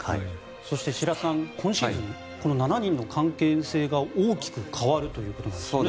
白洲さん、今シーズンは７人の関係性が大きく変わるということなんですね。